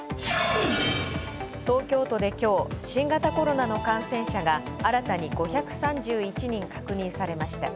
東京都で今日、新型コロナの感染者が新たに５３１人確認されました。